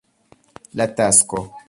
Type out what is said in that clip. La Tasko.